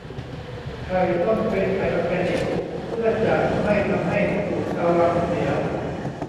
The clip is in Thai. ไข่ต้องเป็นไข่ออแกนิคเพื่อจะไม่ทำให้สูตรชาววังเสีย